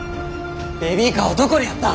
ベビーカーはどこにやった？